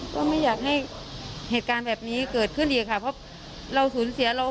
ก็ไม่อยากให้เหตุการณ์แบบนี้เกิดขึ้นอีกค่ะเพราะเราสูญเสียเรา